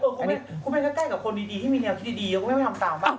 พี่กะละแม่ก็ใกล้กับคนดีที่มีแนวคิดดีแล้วพี่กะละแม่ไม่ต้องตามบ้าง